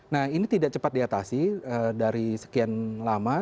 nah ini tidak cepat diatasi dari sekian lama